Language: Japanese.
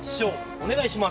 お願いします！